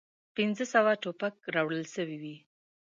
پنځه سوه توپک راوړل سوي وې.